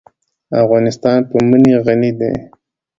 افغانستان په منی غني دی.